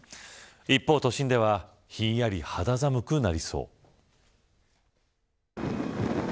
一方都心ではひんやり肌寒くなりそう。